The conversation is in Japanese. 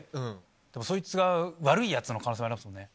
でもそいつが悪いヤツの可能性ありますもんね。